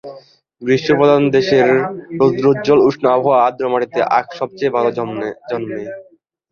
গ্রীষ্মপ্রধান দেশের রৌদ্রোজ্জ্বল উষ্ণ আবহাওয়ায় আর্দ্র মাটিতে আখ সবচেয়ে ভাল জন্মে।